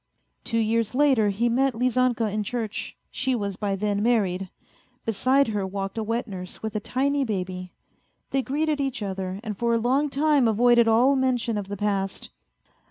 Two years later he met Lizanka in church. She was by then married ; beside her walked a wet nurse with a tiny baby. They greeted each other, and for a long time avoided all mention of the past.